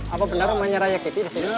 apa benar rumahnya raya kiti disini